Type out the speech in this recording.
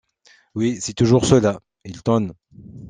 Oui, c’est toujours cela. — Il tonne.